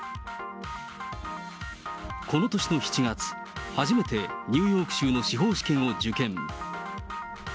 この年の７月、初めてニューヨーク州の司法試験を受験。